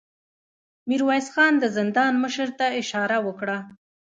ميرويس خان د زندان مشر ته اشاره وکړه.